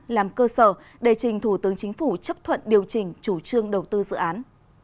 làm cơ sở để trình thủ tướng chính phủ chấp thuận điều chỉnh chủ trương đầu tư dự án